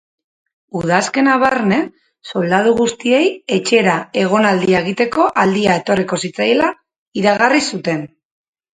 Udazkena barne, soldadu guztiei etxera egonaldia egiteko aldia etorriko zitzaiela iragarri zuten.